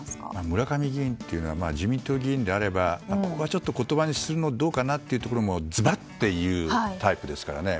村上議員は自民党議員であればここはちょっと言葉にするのはどうかなってところもズバッていうタイプですからね。